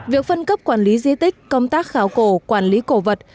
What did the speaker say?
việc phân cấp quản lý di tích công tác khảo cổ quản lý cổ vật